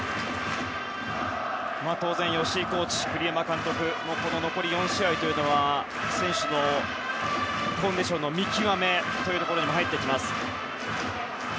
当然、吉井コーチ、栗山監督も残り４試合では選手のコンディションの見極めというところにも入っていきます。